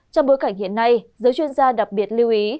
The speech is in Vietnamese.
trong bối cảnh hiện nay giới chuyên gia đặc biệt lưu ý